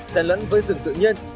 xe lẫn với rừng tự nhiên